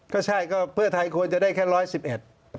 ก็ใช่เพื่อไทยควรจะได้แค่๑๑๑